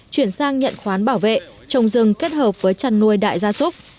chuyển sang nhận khoán bảo vệ trồng rừng kết hợp với chăn nuôi đại gia súc